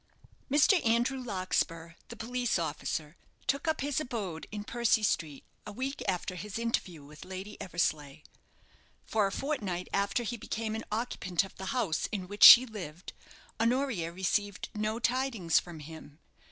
Mr. Andrew Larkspur, the police officer, took up his abode in Percy Street a week after his interview with Lady Eversleigh. For a fortnight after he became an occupant of the house in which she lived, Honoria received no tidings from him.